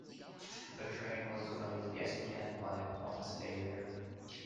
The train was delayed yet again by a points failure